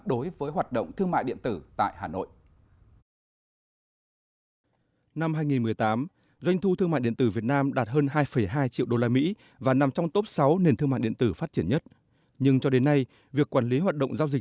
đối với hoạt động thương mại điện tử tại hà nội